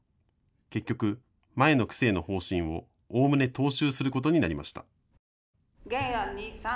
結局、前の区政の方針をおおむね踏襲することになりました。